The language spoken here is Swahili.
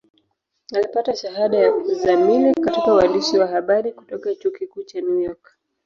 Alipata shahada ya uzamili katika uandishi wa habari kutoka Chuo Kikuu cha New York.